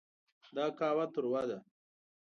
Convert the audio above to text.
دا قهوه تروه ده.